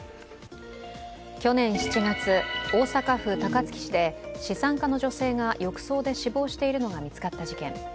去年７月、大阪府高槻市で資産家の女性が浴槽で死亡しているのが見つかった事件。